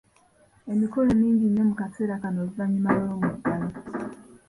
Emikolo mingi nnyo mu kaseera kano oluvannyuma lw'omuggalo.